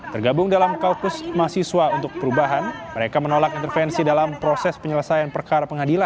tergabung dalam kaukus mahasiswa untuk perubahan mereka menolak intervensi dalam proses penyelesaian perkara pengadilan